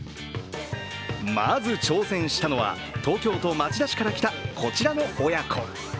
まず挑戦したのは、東京都町田市から来た、こちらの親子。